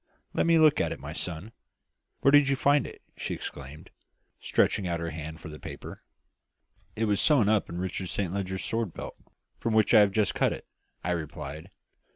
"Let me look at it, my son. Where did you find it?" she exclaimed, stretching out her hand for the paper. "It was sewn up in Richard Saint Leger's sword belt, from which I have just cut it," I replied.